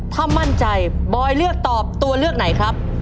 ถ้ามั่นใจบอยเลือกตอบตัวเลือกไหนครับ